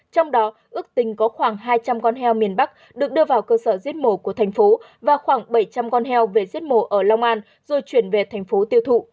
trong đó ước tính có khoảng hai trăm linh con heo miền bắc được đưa vào cơ sở giết mổ của thành phố và khoảng bảy trăm linh con heo về giết mổ ở long an rồi chuyển về thành phố tiêu thụ